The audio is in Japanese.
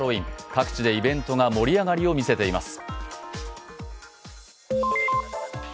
各地でイベントが盛り上がりを見せています。